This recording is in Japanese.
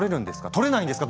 取れないんですか？